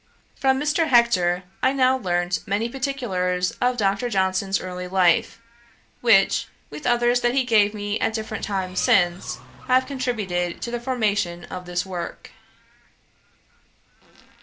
From Mr. Hector I now learnt many particulars of Dr. Johnson's early life, which, with others that he gave me at different times since, have contributed to the formation of this work.